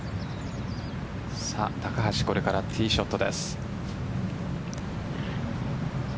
高橋これからティーショットです。